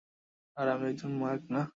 আর আমি একজন মার্ক, না?